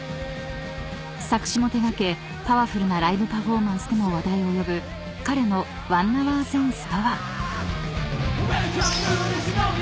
［作詞も手掛けパワフルなライブパフォーマンスでも話題を呼ぶ彼の１ＨｏｕｒＳｅｎｓｅとは］